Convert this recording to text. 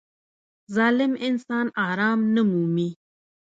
• ظالم انسان آرام نه مومي.